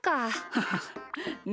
ハハッみ